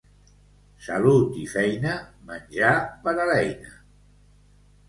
Salut i feina i menjar per a l'eina.